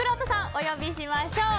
お呼びしましょう。